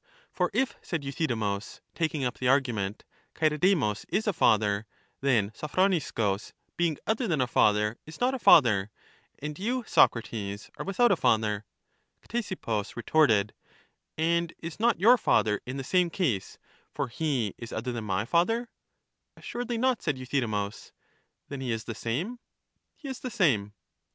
For if, said Euthydemus, taking up the argument, Chaeredemus is a father, then Sophroniscus, being other than a father, is not a father ; and you, Socrates, are without a father. Ctesippus retorted: And is not your father in the same case, for he is other than my father? EUTHYDEMUS 261 Assuredly not, said Euthydemus. Then he is the same? He is the same.